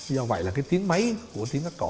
do vậy là cái tiếng máy của tiếng cắt cỏ